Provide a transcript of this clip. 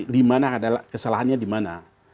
dimana adalah kesalahannya dimana